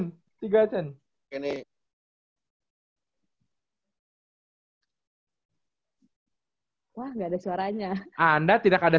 ini wah nggak ada suaranya anda tidak ada